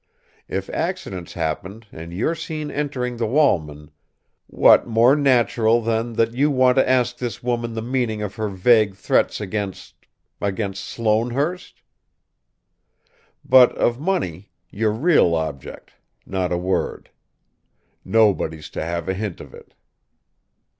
If accidents happen and you're seen entering the Walman, what more natural than that you want to ask this woman the meaning of her vague threats against against Sloanehurst? But of money, your real object, not a word! Nobody's to have a hint of it."